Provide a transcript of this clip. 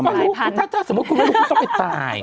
ก็ดูว่าถ้าสมมุติคุณที่ก็รู้ก็ต้องไปตาย